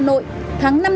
cũng được lắp sáp được